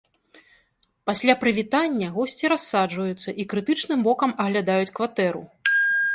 Пасля прывітання госці рассаджваюцца і крытычным вокам аглядаюць кватэру.